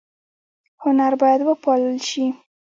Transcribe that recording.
هنر باید وپال ل شي